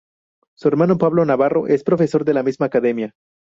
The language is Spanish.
Su hermano, Pablo Navarro es profesor de la misma academia.